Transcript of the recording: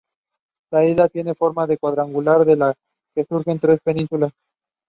They have been given important papers to take ashore.